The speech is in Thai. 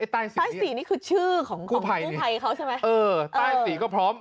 ใต้สี่นี่คือชื่อของกู้ภัยเขาใช่ไหมเออใต้สีก็พร้อม